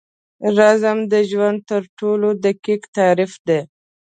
رزم د ژوند تر ټولو دقیق تعریف دی.